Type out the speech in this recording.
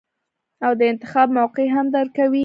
او د انتخاب موقع هم درکوي -